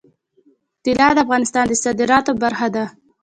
طلا د افغانستان د صادراتو برخه ده.